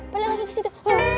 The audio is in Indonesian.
balik lagi ke situ